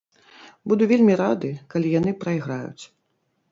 Буду вельмі рады, калі яны прайграюць.